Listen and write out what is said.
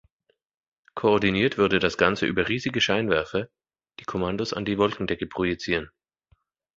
Koordiniert würde das Ganze über riesige Scheinwerfer, die Kommandos an die Wolkendecke projizieren.